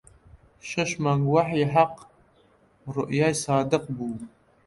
شەش مانگ وەحی حەق ڕوئیای سادق بوو